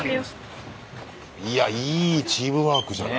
いやいいチームワークじゃない。